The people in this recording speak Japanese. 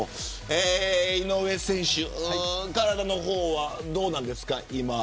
井上選手体の方はどうなんですか、今。